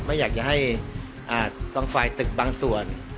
ไม่อยากจะให้บางฝ่ายตึกบางส่วน